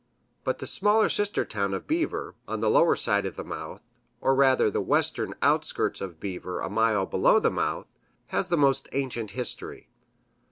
But the smaller sister town of Beaver, on the lower side of the mouth, or rather the western outskirts of Beaver a mile below the mouth, has the most ancient history.